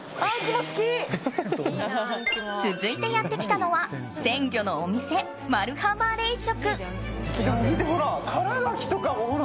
続いてやってきたのは鮮魚のお店、マルハマ冷食。